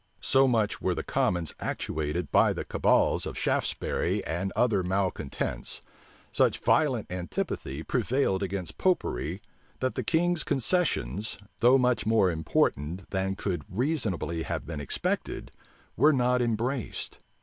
So much were the commons actuated by the cabals of Shaftesbury and other malecontents, such violent antipathy prevailed against Popery that the king's concessions, though much more important than could reasonably have been expected, were not embraced.